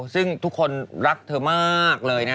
ซึ่งทุกคนรักเธอมากเลยนะ